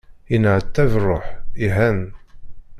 Yenneɛtab rruḥ, ihan.